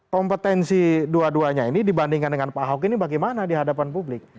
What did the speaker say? kompetensi dua duanya ini dibandingkan dengan pak ahok ini bagaimana di hadapan publik